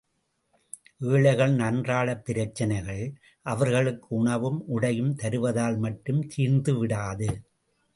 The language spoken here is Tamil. ஏழைகளின் அன்றாடப் பிரச்னைகள், அவர்களுக்கு உணவும் உடையும் தருவதால் மட்டும் தீர்ந்து விடாது.